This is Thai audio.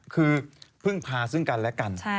คือพึ่งพาซึ่งกันและกัน